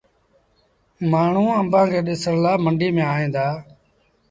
مآڻهوٚٚݩ آݩبآݩ کي ڏسڻ لآ منڊيٚ ميݩ ائيٚݩ دآ۔